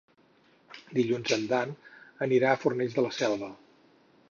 Dilluns en Dan anirà a Fornells de la Selva.